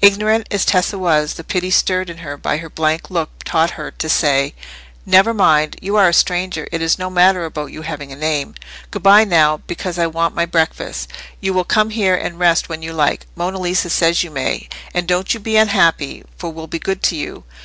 Ignorant as Tessa was, the pity stirred in her by his blank look taught her to say— "Never mind: you are a stranger, it is no matter about your having a name. Good bye now, because I want my breakfast. You will come here and rest when you like; Monna Lisa says you may. And don't you be unhappy, for we'll be good to you."